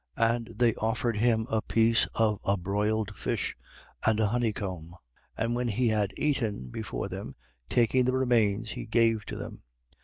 24:42. And they offered him a piece of a broiled fish and a honeycomb. 24:43. And when he had eaten before them, taking the remains, he gave to them.